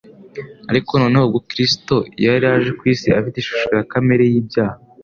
ariko noneho ubwo Kristo yari aje kw'isi “afite ishusho ya kamere y'ibyaha